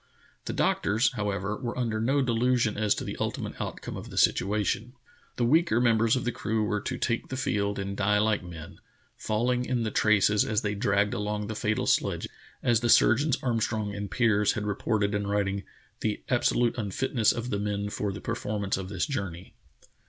The doctors, however, were under no delusion as to the ultimate outcome of the situation. The weaker members of the crew were to take the field and die like men, falling in the traces as the}^ dragged along the fatal sledge, as the surgeons Armstrong and Piers had reported in writing "the absolute unfitness of the men for the performance of this journey."